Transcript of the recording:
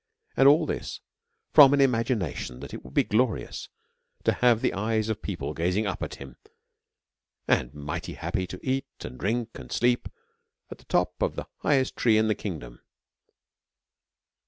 And all this from an imagination that it would be glorious to have the eyes of people gazing up at him, and mighty happy to eat, and drink, and sleep, at the top of the highest trees in the kingdom.